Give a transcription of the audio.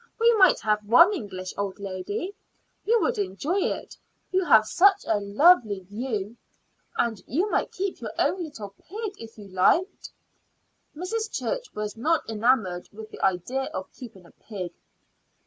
We might have one English old lady. You would enjoy it; you'd have such a lovely view! And you might keep your own little pig if you liked." Mrs. Church was not enamored with the idea of keeping a pig.